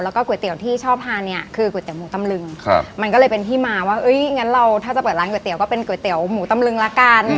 แล้วก็ก๋วยเตี๋ยวที่ชอบทานเนี่ยคือก๋วยเตี๋หมูตำลึงมันก็เลยเป็นที่มาว่างั้นเราถ้าจะเปิดร้านก๋วเตี๋ก็เป็นก๋วยเตี๋ยวหมูตำลึงละกัน